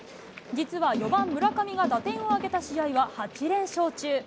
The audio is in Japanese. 実は４番村上が打点を挙げた試合は、８連勝中。